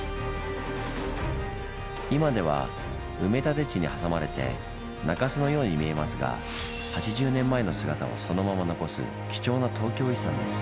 今では埋め立て地に挟まれて中州のように見えますが８０年前の姿をそのまま残す貴重な東京遺産です。